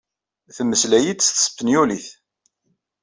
Temmeslay-yi-d s tespenyulit.